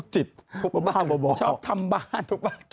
ชอบทำบ้าน